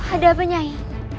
ada apa nyi